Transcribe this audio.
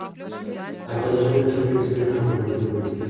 هغه د خلکو تر منځ مینه او ورورولي ولیده.